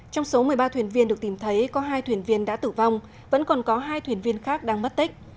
trong số một mươi ba thuyền viên được tìm thấy có hai thuyền viên đã tử vong vẫn còn có hai thuyền viên khác đang mất tích